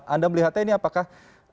anda melihatnya ini apakah